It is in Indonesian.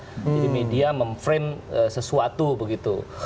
jadi media memframe sesuatu begitu